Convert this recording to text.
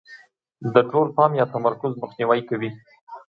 د ټول پام یا تمرکز مخنیوی کوي.